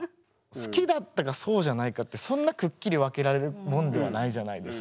好きだったかそうじゃないかってそんなくっきり分けられるもんではないじゃないですか。